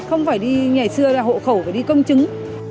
không phải đi ngày xưa là hộ khẩu phải đi công chứng